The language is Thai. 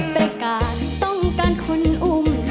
ประกาศต้องการคนอุ้ม